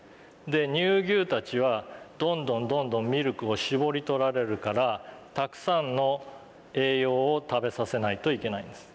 で乳牛たちはどんどんどんどんミルクを搾り取られるからたくさんの栄養を食べさせないといけないんです。